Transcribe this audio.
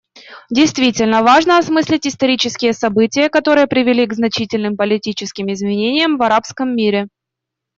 Действительно, важно осмыслить исторические события, которые привели к значительным политическим изменениям в арабском мире.